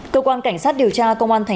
cơ quan cảnh sát điều tra công an tp hcm